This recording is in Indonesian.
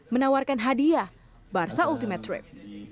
menawarkan hadiah barca ultimate trip